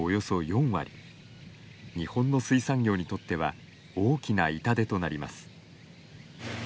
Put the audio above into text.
日本の水産業にとっては大きな痛手となります。